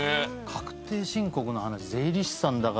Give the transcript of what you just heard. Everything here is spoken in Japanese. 確定申告の話税理士さんだからできる。